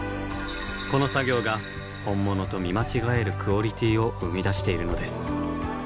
この作業が本物と見間違えるクオリティを生み出しているのです。